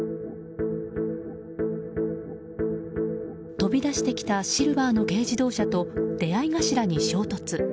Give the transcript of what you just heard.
飛び出してきたシルバーの軽自動車と出合い頭に衝突。